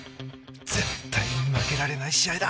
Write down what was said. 絶対に負けられない試合だ。